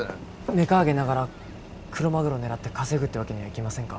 メカ揚げながらクロマグロ狙って稼ぐってわけにはいきませんか？